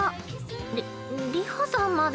り流星さんまで。